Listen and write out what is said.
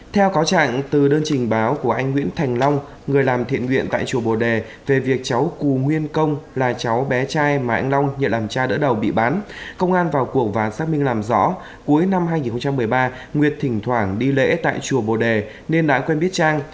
theo cáo trạng từ đơn trình báo của anh nguyễn thành long người làm thiện nguyện tại chùa bồ đề về việc cháu cù nguyên công là cháu bé trai mà anh long nhận làm cha đỡ đầu bị bán công an vào cuộc và xác minh làm rõ cuối năm hai nghìn một mươi ba nguyệt thỉnh thoảng đi lễ tại chùa bồ đề nên đã quen biết trang